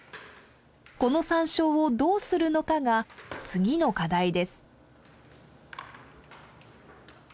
このサンショウをどうするのかが次の課題です。